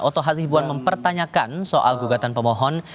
otoh hazibuan mempertanyakan soal gugatan pemohon